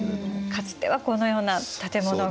かつてはこのような建物が。